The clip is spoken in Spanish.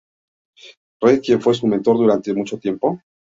Reid quien fue su mentor durante mucho tiempo.